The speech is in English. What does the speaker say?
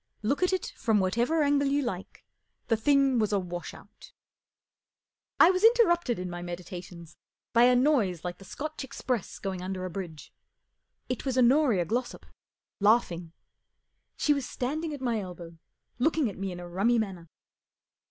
Look at it from whatever angle you like, the thing was a wash out* I was interrupted in my medi¬ tations by a noise like the Scotch express going under a bridge. It was Honoria Glossop laughing. She was standing at my elbow, looking at me in a rummy manner.